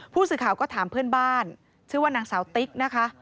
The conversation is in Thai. ผู้สื่อข่าวก็ถามเพื่อนบ้านชื่อว่านางสาวติ๊กนะคะ